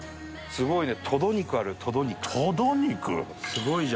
すごいね。